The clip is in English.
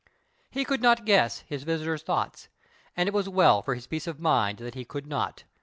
He could not guess his visitor's thoughts, and it was well for his peace of mind that he could not.